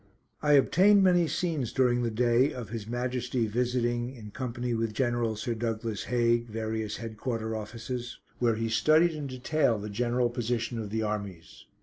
I obtained many scenes during the day of His Majesty visiting, in company with General Sir Douglas Haig, various headquarter offices, where he studied in detail the general position of the armies.